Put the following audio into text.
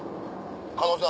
狩野さん